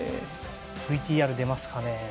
ＶＴＲ出ますかね。